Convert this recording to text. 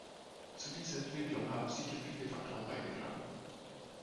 Zu dieser Entwicklung haben sicher viele Faktoren beigetragen.